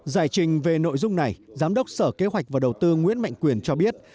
giải trình về nội dung này giám đốc sở kế hoạch và đầu tư nguyễn mạnh quyền cho biết